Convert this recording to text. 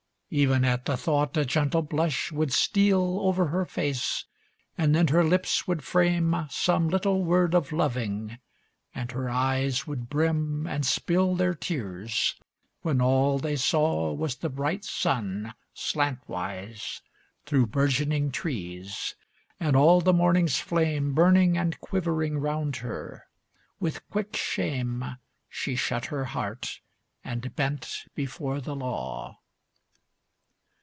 Even at the thought a gentle blush would steal Over her face, and then her lips would frame Some little word of loving, and her eyes Would brim and spill their tears, when all they saw Was the bright sun, slantwise Through burgeoning trees, and all the morning's flame Burning and quivering round her. With quick shame She shut her heart and bent before the law.